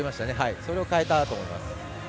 それをかえたと思います。